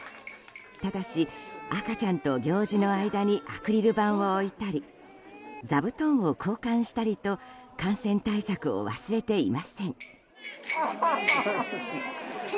ただし、赤ちゃんと行司の間にアクリル板を置いたり座布団を交換したりと感染対策を忘れていません。